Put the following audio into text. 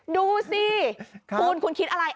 ดูสิคุณคิดอะไร